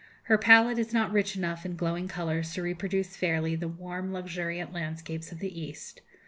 Her palette is not rich enough in glowing colours to reproduce fairly the warm luxuriant landscapes of the East.